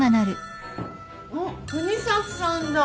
あっ國東さんだ。